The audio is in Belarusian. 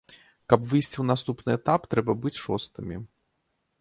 Каб выйсці ў наступны этап трэба быць шостымі.